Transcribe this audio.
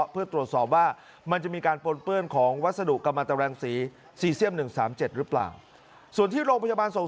๓๐ประมาณ๓๐ประมาณเด็กนักเรียนนะครับ